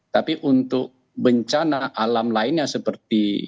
tapi untuk bencana alam lainnya seperti